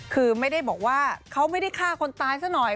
คือไม่ได้บอกว่าเขาไม่ได้ฆ่าคนตายซะหน่อย